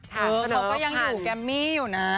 ขอสนุกค่ะเค้าก็ยังอยู่แกมมี่อยู่นะ